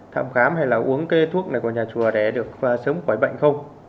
thăm khám hay là uống cây thuốc này của nhà chùa để được sớm khỏi bệnh không